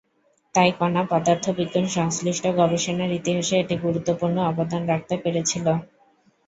তাই কণা পদার্থবিজ্ঞান সংশ্লিষ্ট গবেষণার ইতিহাসে এটি গুরুত্বপূর্ণ অবদান রাখতে পেরেছিল।